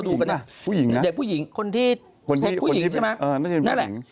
เด็กผู้หญิงนะคนที่เป็นผู้หญิง